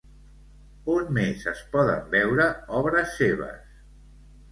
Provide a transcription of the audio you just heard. On més es poden veure obres seves?